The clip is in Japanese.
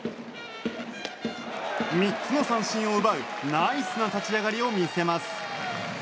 ３つの三振を奪うナイスな立ち上がりを見せます。